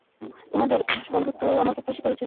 তোমাদের বন্ধুত্ব আমাকে খুশি করেছিলো।